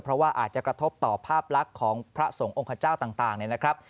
เพราะว่าอาจจะกระทบต่อภาพลักษณ์ของพระสงฆ์ขเจ้าต่างเนี่ยนะครับ